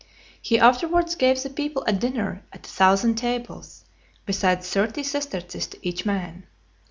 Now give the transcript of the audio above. He afterwards gave the people a dinner at a thousand tables, besides thirty sesterces to each man.